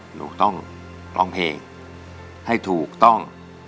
หนูต้องร้องเพลงให้ถูกต้อง